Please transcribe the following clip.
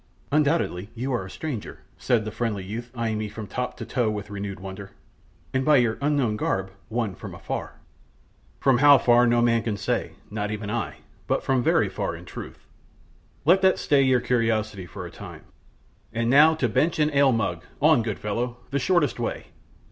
"Undoubtedly you are a stranger," said the friendly youth, eyeing me from top to toe with renewed wonder, "and by your unknown garb one from afar." "From how far no man can say not even I but from very far, in truth. Let that stay your curiosity for the time. And now to bench and ale mug, on good fellow! the shortest way.